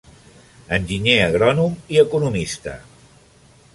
Enginyer agrònom i economista.